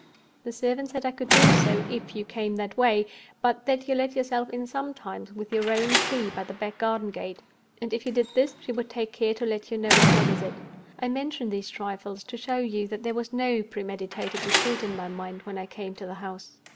The servant said I could do so, if you came that way, but that you let yourself in sometimes with your own key by the back garden gate; and if you did this, she would take care to let you know of my visit. I mention these trifles, to show you that there was no pre meditated deceit in my mind when I came to the house.